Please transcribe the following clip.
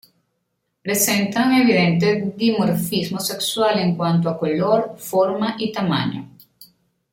Presentan evidente dimorfismo sexual en cuanto a color, forma y tamaño.